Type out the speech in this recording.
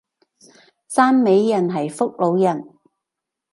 汕尾人係福佬人